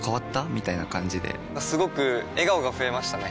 みたいな感じですごく笑顔が増えましたね！